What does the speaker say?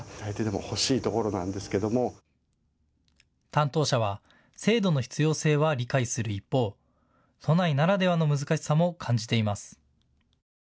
担当者は制度の必要性は理解する一方、都内ならではの難しさも感じています。